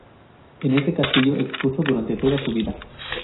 En este castillo expuso durante toda su vida.